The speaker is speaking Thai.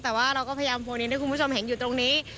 แต่ว่าเราก็พยายามโฟนินให้คุณผู้ชมเห็นอยู่ตรงนี้